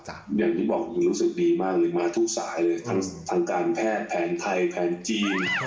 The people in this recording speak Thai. อย่างที่บอกรู้สึกดีมากเลยมาทุกสายเลยทางการแพทย์แผนไทยแผนจีน